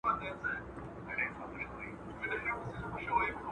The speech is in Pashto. یو بلبل وو د ښکاري دام ته لوېدلی ,